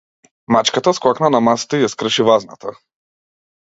Мачката скокна на масата и ја скрши вазната.